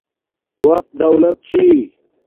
وقت دولت چھی